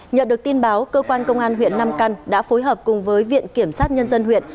nhận được tin báo cơ quan công an huyện nam căn đã phối hợp cùng với viện kiểm sát nhân dân huyện